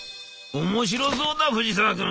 「面白そうだ藤沢君。